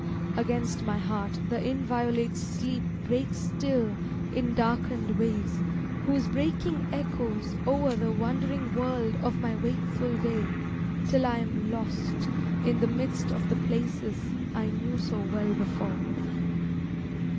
Against my heart the inviolate sleep breaks still In darkened waves whose breaking echoes o'er The wondering world of my wakeful day, till I'm lost In the midst of the places I knew so well before.